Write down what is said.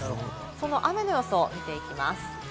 その雨の予想を見ていきます。